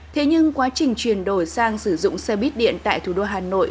thế nhưng quá trình chuyển đổi sang sử dụng xe buýt điện tại thủ đô hà nội